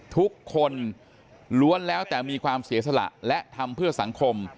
ทุกคนล้วนแล้วแต่มีความเสียสละและทำเพื่อสังคม